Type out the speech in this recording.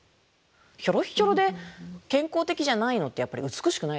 ひょろっひょろで健康的じゃないのってやっぱり美しくないですから。